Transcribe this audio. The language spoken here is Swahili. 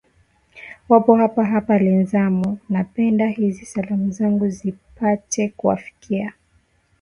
wapo hapa hapa lenzamu napenda hizi salamu zangu zipate kuwafikia